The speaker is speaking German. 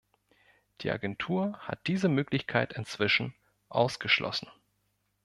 Die Agentur hat diese Möglichkeit inzwischen ausgeschlossen.